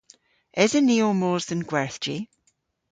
Esen ni ow mos dhe'n gwerthji?